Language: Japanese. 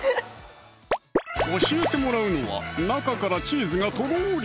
教えてもらうのは中からチーズがとろり！